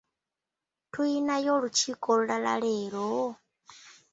Tuyinayo olukiiko olulala leero?